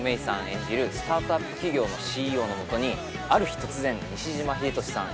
演じるスタートアップ企業のＣＥＯのもとにある日突然西島秀俊さん